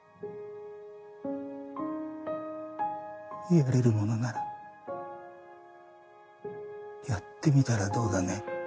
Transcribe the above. やれるものならやってみたらどうだね？